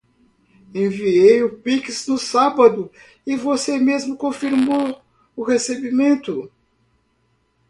Enviei o pix no sábado e você mesmo confirmou o recebimento.